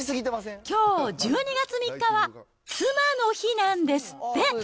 きょう１２月３日は妻の日なんですって。